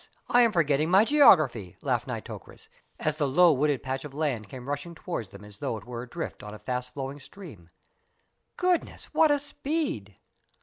I am forgetting my geography," laughed Nitocris, as the low, wooded patch of land came rushing towards them as though it were adrift on a fast flowing stream. "Goodness, what a speed!"